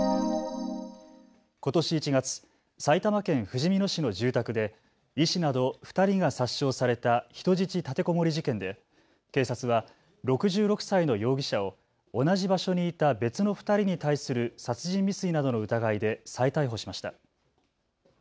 ことし１月、埼玉県ふじみ野市の住宅で医師など２人が殺傷された人質立てこもり事件で警察は６６歳の容疑者を同じ場所にいた別の２人に対する殺人未遂などの疑いで再逮捕しました。